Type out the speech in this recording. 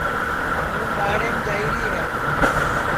ہوں ٻاڑیم جائیری ہے